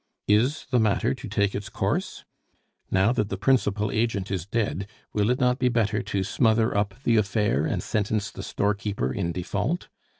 "Is the matter to take its course? Now that the principal agent is dead, will it not be better to smother up the affair and sentence the storekeeper in default?